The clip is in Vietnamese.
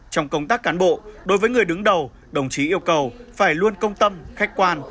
trong công tác cán bộ đối với người đứng đầu đồng chí yêu cầu phải luôn công tâm khách quan